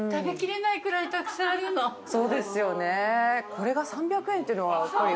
これが３００円っていうのがやっぱり。